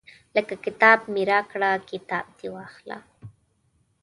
لکه کتاب مې راکړه کتاب دې واخله.